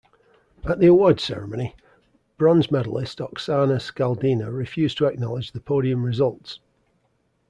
At the awards ceremony, bronze medalist Oksana Skaldina refused to acknowledge the podium results.